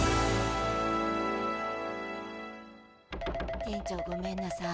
店長ごめんなさい。